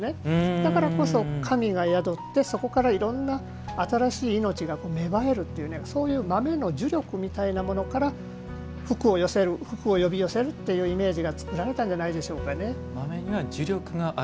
だからこそ、神が宿ってそこからいろんな新しい命が芽生えるというそういう豆の呪力みたいなものから福を呼び寄せるっていう意味が作られたんじゃないでしょうかね。